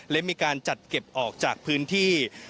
และมีการจัดเก็บออกจากพื้นที่